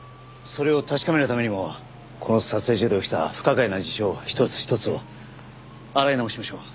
それを確かめるためにもこの撮影所で起きた不可解な事象一つ一つを洗い直しましょう。